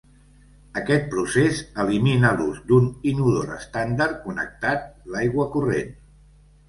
Aquest procés elimina l'ús d'un inodor estàndard connectat l'aigua corrent.